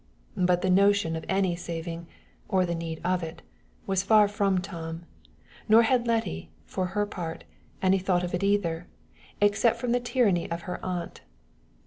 But the notion of any saving, or the need of it, was far from Tom; nor had Letty, for her part, any thought of it either, except from the tyranny of her aunt.